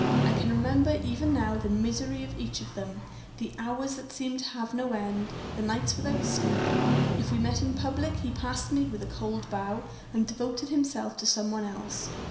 I can remember even now the misery of each of them the hours that seemed to have no end the nights without sleep. If we met in public, he passed me with a cold bow, and devoted himself to some one else.